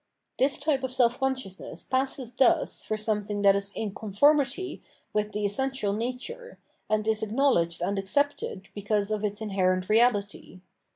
This type of self consciousness passes thus for some thing that is in conformity with the essential nature, and is acknowledged and accepted because of its in herent reahty.